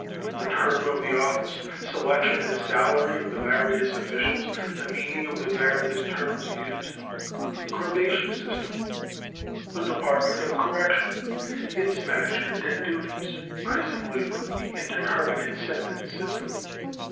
The term of the office, selection and salary of the various officials. The meaning of the various terms used. Probation system. The Department of Correction. Its management and duties. Prison labor. The indeterminate sentence system.